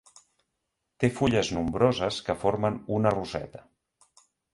Té fulles nombroses que formen una roseta.